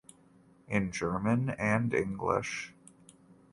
In German and English